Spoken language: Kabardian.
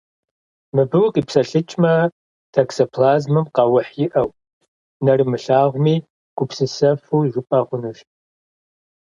Мыбы укъипсэлъыкӏмэ, токсоплазмэм къаухь иӏэу, нэрымылъагъуми, гупсысэфу жыпӏэ хъунущ.